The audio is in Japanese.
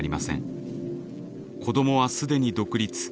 子どもは既に独立。